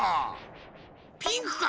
ピンクか？